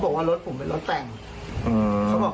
ซึ่งรถก็ไม่ใช่รถแต่งเลยเขาบอกว่ารถผมเป็นรถแต่ง